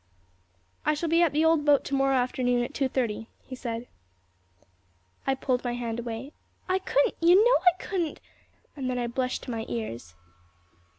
"I shall be at the old boat tomorrow afternoon at two thirty," he said. I pulled my hand away. "I couldn't you know I couldn't," I cried and then I blushed to my ears.